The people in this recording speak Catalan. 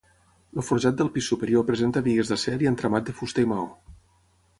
El forjat del pis superior presenta bigues d'acer i entramat de fusta i maó.